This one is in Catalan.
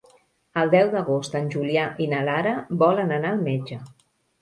El deu d'agost en Julià i na Lara volen anar al metge.